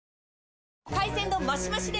海鮮丼マシマシで！